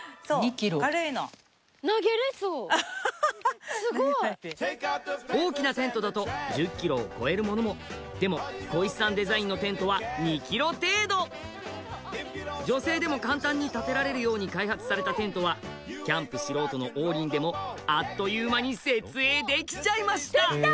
そう軽いのハハハ投げないですごい大きなテントだと１０キロを超えるものもでもこいしさんデザインのテントは２キロ程度女性でも簡単にたてられるように開発されたテントはキャンプ素人の王林でもあっという間に設営できちゃいましたできた！